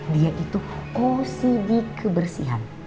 dia itu kosi di kebersihan